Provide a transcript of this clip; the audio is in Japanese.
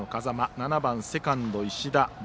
７番セカンド、石田恋。